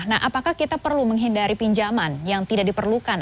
nah apakah kita perlu menghindari pinjaman yang tidak diperlukan